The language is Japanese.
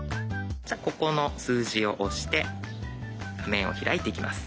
じゃここの数字を押して画面を開いていきます。